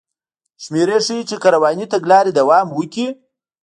شمېرې ښيي چې که روانې تګلارې دوام وکړي